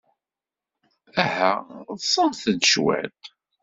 Aha, ḍsemt-d cwiṭ.